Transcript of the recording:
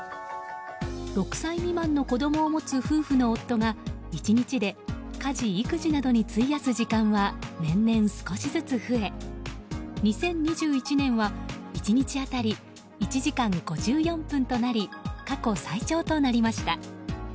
６歳未満の子供を持つ夫婦の夫が１日で家事・育児などに費やす時間は年々、少しずつ増え２０２１年は１日当たり１時間５４分となり過去最長となりました。